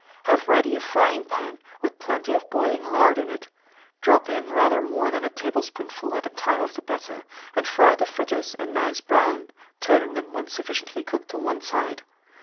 Have ready a frying pan, with plenty of boiling lard in it; drop in rather more than a tablespoonful at a time of the batter, and fry the fritters a nice brown, turning them when sufficiently cooked on one side.